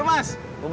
pas dulu ya